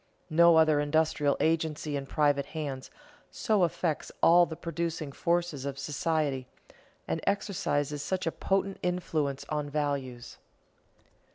No other industrial agency in private hands so affects all the producing forces of society and exercises such a potent influence on values.